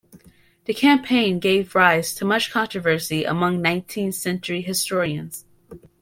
The campaign gave rise to much controversy among nineteenth-century historians.